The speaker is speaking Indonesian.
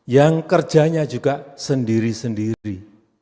yang kerjanya juga sendiri sendiri